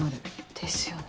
ですよね。